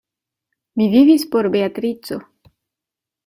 Mi vivis por Beatrico.